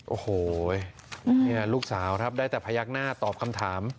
โอ้โหนี่ลูกสาวครับได้แต่พยักหน้าตอบคำถาม